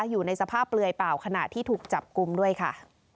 อยู่ในสภาพเปลือยเปล่าขณะที่ถูกจับกลุ่มด้วยค่ะ